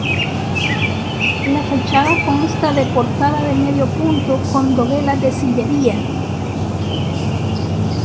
La fachada consta de portada de medio punto con dovelas de sillería.